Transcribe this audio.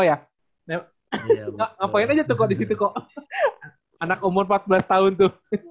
anak umur empat belas tahun tuh